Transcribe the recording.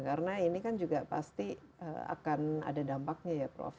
karena ini kan juga pasti akan ada dampaknya ya prof